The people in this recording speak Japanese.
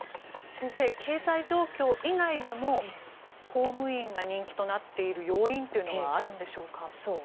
先生、経済状況以外でも公務員が人気となっている要因はあるんでしょうか。